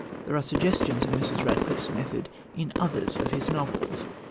There are suggestions of Mrs. Radcliffe's method in others of his novels.